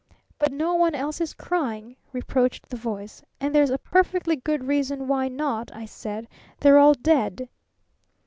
'But no one else is crying,' reproached the Voice. 'And there's a perfectly good reason why not,' I said. 'They're all dead!'